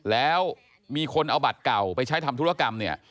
แล้วมีคนเอาบัตรเก่าไปใช้ทำธุรกรรมเนี่ย